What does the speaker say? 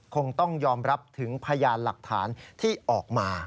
คงต้องยอมรับถึงพยานหลักฐานที่ออกมา